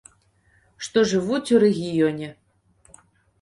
Што жывуць у рэгіёне.